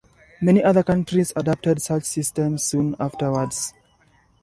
Many other countries adopted such systems soon afterwards.